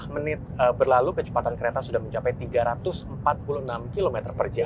dua puluh menit berlalu kecepatan kereta sudah mencapai tiga ratus empat puluh enam km per jam